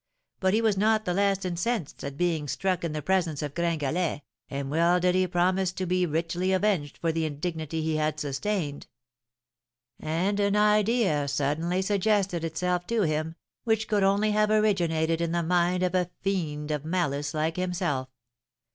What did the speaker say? But he was not the less incensed at being struck in the presence of Gringalet, and well did he promise himself to be richly avenged for the indignity he had sustained; and an idea suddenly suggested itself to him, which could only have originated in the mind of a fiend of malice like himself.